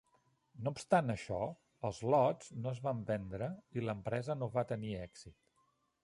No obstant això, els lots no es van vendre i l'empresa no va tenir èxit.